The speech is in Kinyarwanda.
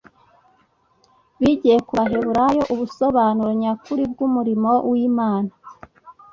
bigiye ku Baheburayo ubusobanuro nyakuri bw'umurimo w'Imana